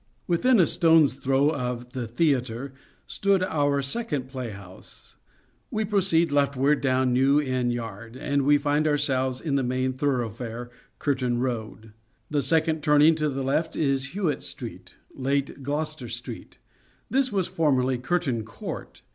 Within a stone's throw of "The Theatre" stood our second playhouse. We proceed left ward down New Inn Yard, and we find ourselves 4 SHAKESPEAREAN THEATRES in the main thoroughfare, Curtain Road. The second turning to the left is Hewett Street, late Gloucester Street. This was formerly Curtain Court.